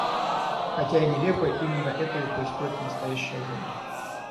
Хотя и нелепо, именно это и происходит в настоящее время.